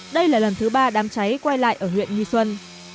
đây là lần thứ ba đám cháy quay lại ở huyện nghi xuân